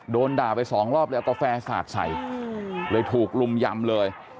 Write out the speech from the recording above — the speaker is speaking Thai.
โดนด่าไปสองรอบเลยเอากาแฟสาดใส่เลยถูกลุมยำเลย